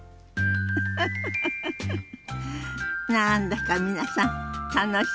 フフフ何だか皆さん楽しそうね。